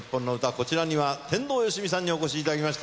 こちらには天童よしみさんにお越しいただきました。